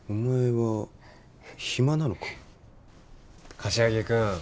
柏木君